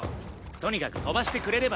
とにかく飛ばしてくれれば。